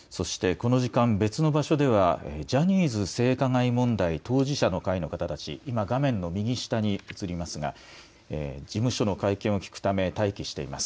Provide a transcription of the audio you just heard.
この時間、別の場所ではジャニーズ性加害問題当事者の会の方たち、今、画面の右下に映りますが、事務所の会見を聞くため、待機しています。